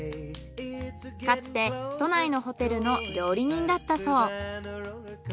かつて都内のホテルの料理人だったそう。